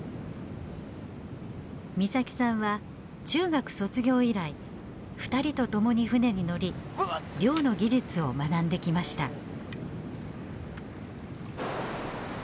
岬さんは中学卒業以来２人と共に船に乗り漁の技術を学んできました。